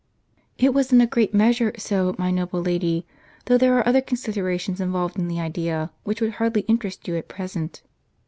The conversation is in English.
"" It was in a great measure so, my noble lady ; though there are other considerations involved in the idea, which would hardly interest you at present."